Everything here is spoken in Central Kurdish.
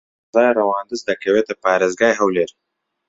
قەزای ڕەواندز دەکەوێتە پارێزگای هەولێر.